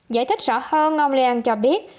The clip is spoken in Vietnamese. giải thích rõ hơn ông liang cho biết